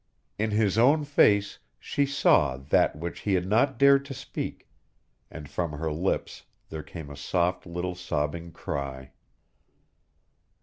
In his own face she saw that which he had not dared to speak, and from her lips there came a soft little sobbing cry.